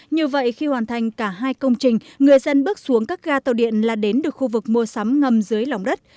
như vậy khi hoàn thành cả hai công trình người dân bước xuống các ga tàu điện là đến được khu vực mua sắm ngầm dưới lòng đất